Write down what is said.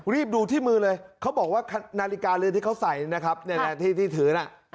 รีบดูที่มือเลยเขาบอกว่านาฬิกาเรือนที่เขาใส่นะครับนี่แหละที่ถือน่ะ